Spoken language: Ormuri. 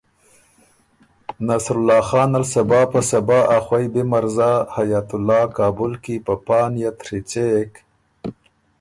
نصرالله خان ال صبا په صبا ا خوئ بی مرزا حیات الله کابل کی په پا نئت ڒیڅېک